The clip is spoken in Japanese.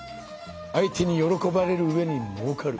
相手に喜ばれるうえにもうかる。